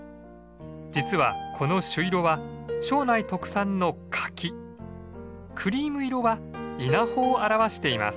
実はこの朱色は庄内特産の柿クリーム色は稲穂を表しています。